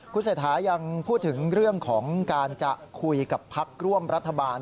คุณเศรษฐายังพูดถึงเรื่องของการจะคุยกับพักร่วมรัฐบาล